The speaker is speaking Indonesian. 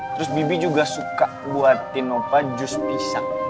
terus bibi juga suka buatin opa jus pisang